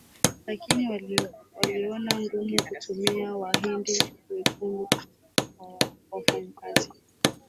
Lakini waliona ugumu kutumia Wahindi wekundu kama wafanyakazi